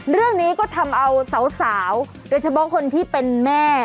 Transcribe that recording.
เรื่องนี้ก็ทำเอาสาวโดยเฉพาะคนที่เป็นแม่